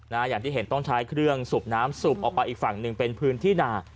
อย่างที่เห็นต้องใช้เครื่องสูบน้ำสูบออกไปอีกฝั่งหนึ่งเป็นพื้นที่หนา